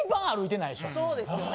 そうですよね。